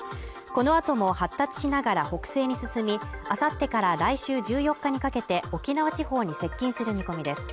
このあとも発達しながら北西に進みあさってから来週１４日にかけて沖縄地方に接近する見込みです